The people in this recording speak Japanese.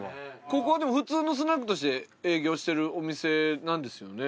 ここはでも普通のスナックとして営業してるお店なんですよね？